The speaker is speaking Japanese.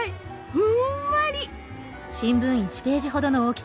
ふんわり！